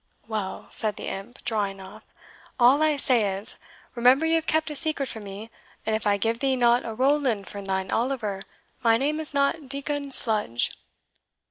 "Well," said the imp, drawing off, "all I say is remember you have kept a secret from me, and if I give thee not a Roland for thine Oliver, my name is not Dickon Sludge!"